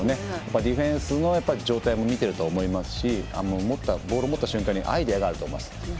ディフェンスの状態も見てると思いますしボールを持った瞬間にアイデアがあると思います。